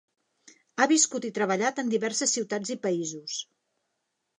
Ha viscut i treballat en diverses ciutats i països.